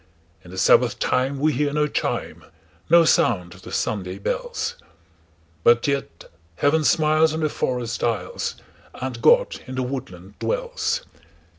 In the Sabbath time we hear no chime, No sound of the Sunday bells; But yet Heaven smiles on the forest aisles, And God in the woodland dwells.